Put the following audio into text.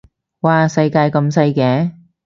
嘩世界咁細嘅